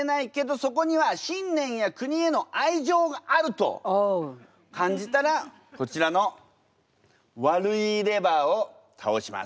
そこには信念や国への愛情があると感じたらこちらの悪イイレバーをたおします。